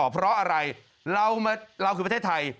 เพราะอะไรเราคือประเทศไทย